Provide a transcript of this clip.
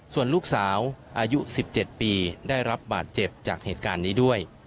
ส่วนลูกสาวอายุ๑๗ปีได้รับบาดเจ็บจากเหตุการณ์นี้ด้วย